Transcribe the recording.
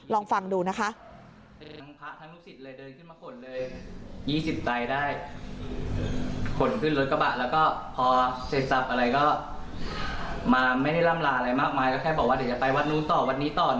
ลองฟังดูนะคะ